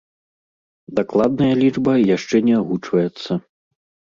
Дакладная лічба яшчэ не агучваецца.